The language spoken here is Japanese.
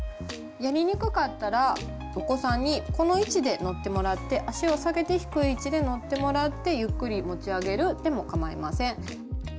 やりにくかったらお子さんにこの位置で乗ってもらって脚を下げて低い位置で乗ってもらってゆっくり持ち上げるでも構いません。